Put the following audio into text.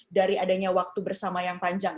dari adanya waktu bersama yang panjang